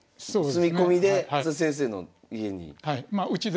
住み込みで升田先生の家に。